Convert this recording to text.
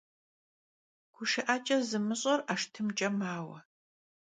Guşşı'eç'e zımış'er 'eşşt'ımç'e maue.